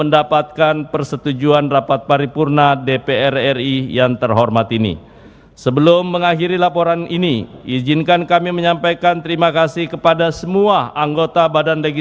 dapat disetujui untuk disahkan menjadi undang undang